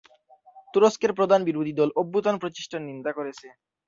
তুরস্কের প্রধান বিরোধী দল অভ্যুত্থান প্রচেষ্টার নিন্দা করেছে।